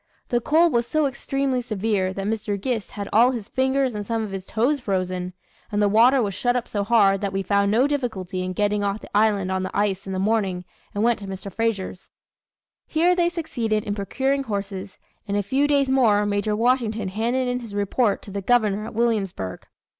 The cold was so extremely severe that Mr. Gist had all his fingers and some of his toes frozen, and the water was shut up so hard that we found no difficulty in getting off the island on the ice in the morning, and went to Mr. Frazier's." Here they succeeded in procuring horses, and in a few days more, Major Washington handed in his report to the Governor at Williamsburg.